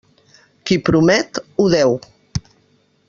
Qui promet, ho deu.